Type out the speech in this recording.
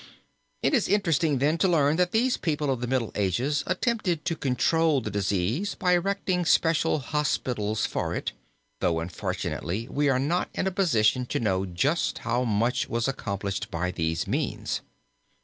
It is interesting then to learn that these people of the Middle Ages attempted to control the disease by erecting special hospitals for it, though unfortunately we are not in a position to know just how much was accomplished by these means.